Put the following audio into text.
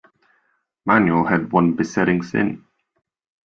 Manuel had one besetting sin.